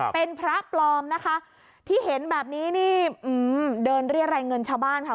เป็นพระปลอมนะคะที่เห็นแบบนี้นี่เดินเรียรายเงินชาวบ้านค่ะ